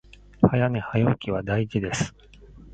早寝早起きは大事です